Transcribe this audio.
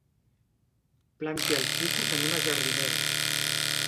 Planti el ficus en una jardinera.